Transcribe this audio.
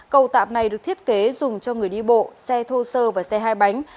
cầu tạm này được thiết kế dùng cho người đi bộ xe thô sơ và xe hai bánh